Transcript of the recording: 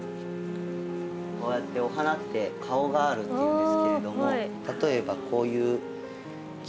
こうやってお花って「顔がある」っていうんですけれども例えばこういうキキョウやとですね